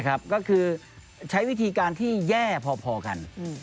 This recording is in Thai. ก็คือใช้วิธีการที่แย่พอกัน